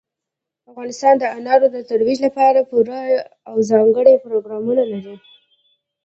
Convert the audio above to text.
افغانستان د انارو د ترویج لپاره پوره او ځانګړي پروګرامونه لري.